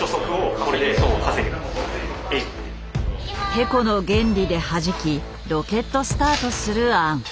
テコの原理ではじきロケットスタートする案。